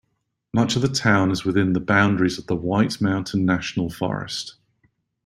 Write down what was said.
Much of the town is within the boundaries of the White Mountain National Forest.